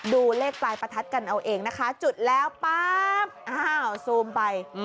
ดูเลขปลายประทัดกันเอาเองนะคะจุดแล้วป๊าบอ้าวซูมไป